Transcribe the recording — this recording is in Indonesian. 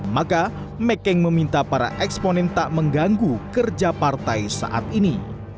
maka mekeng meminta para eksponen tak mengganggu kerja partai saat ini